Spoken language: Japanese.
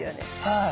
はい。